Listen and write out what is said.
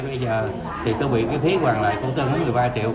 bây giờ thì tôi bị cái phí còn lại cũng tương ứng một mươi ba triệu